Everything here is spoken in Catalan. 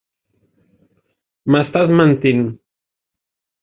M'estàs mentint.